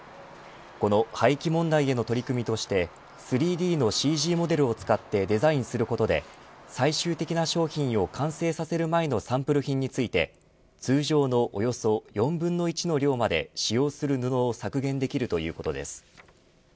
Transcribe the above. この廃棄問題への取り組みとして３ＤのＣＧモデルを使ってデザインすることで最終的な商品を完成させる前のサンプル品について通常のおよそ４分の１の量まで使用する布を削減できるということです。